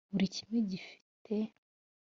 buri kimwe gifite